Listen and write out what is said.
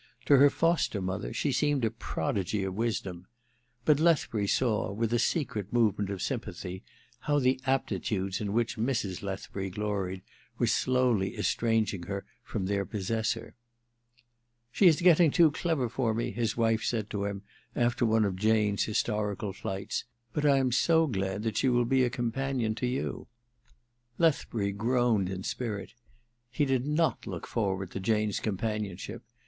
To her foster mother she seemed a prodigy of wisdom ; but Lethbury saw, with a secret movement of sympathy, how the aptitudes in which Mrs. Lethbury gloried were slowly estranging her from her chUd. i8o THE MISSION OF JANE iv * She is getting too clever for me,* his wife said to him, after one of Jane's historical flights, ^ but I am so glad that she will be a companion to you.* Lethbury groaned in spirit. He did not look forward to Jane's companionship.